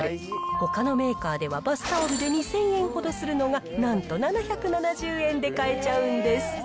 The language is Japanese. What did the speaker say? ほかのメーカーではバスタオルで２０００円ほどするのが、なんと７７０円で買えちゃうんです。